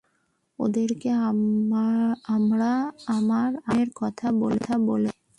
ওদেরকে আমার আগমনের কথা বলে দিস!